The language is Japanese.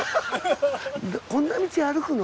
こんな道歩くの？」